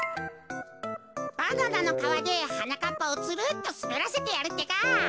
バナナのかわではなかっぱをつるっとすべらせてやるってか。